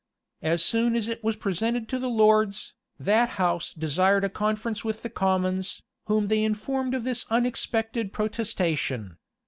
As soon as it was presented to the lords, that house desired a conference with the commons, whom they informed of this unexpected protestation.